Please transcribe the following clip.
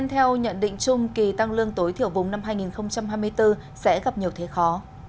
theo nhận định chung kỳ tăng lương tối thiểu vùng năm hai nghìn hai mươi bốn sẽ gặp nhiều thế khó